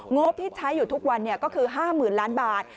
งบที่ใช้อยู่ทุกวันก็คือ๕๐๐๐ล้านบาท